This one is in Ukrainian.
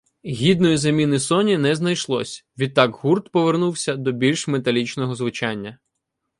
Гідної заміни Соні не знайшлось, відтак гурт повернувся до більш металічного звучання.